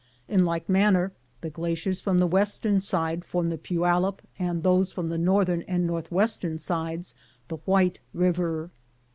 In like manner the glaciers from the western side form the Puyallup, and those from the northern and northwestern sides the White River.